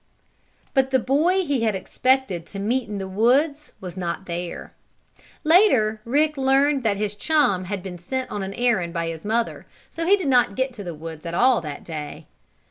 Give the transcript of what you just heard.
But the boy he had expected to meet in the woods was not there. Later Rick learned that his chum had been sent on an errand by his mother, and so did not get to the woods at all that day.